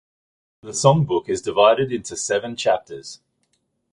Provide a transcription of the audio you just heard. The songbook is divided into seven chapters.